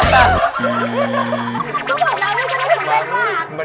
ต้องบอกได้เลยจำนวงคือบาส